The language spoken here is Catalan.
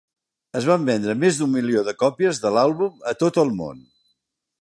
Es van vendre més d'un milió de còpies de l'àlbum a tot el món.